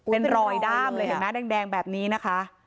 เป็นรอยด้ามเลยเห็นไหมแดงแบบนี้นะคะ